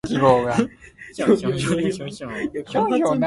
無去無頭路，欲去無法度